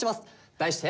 題して。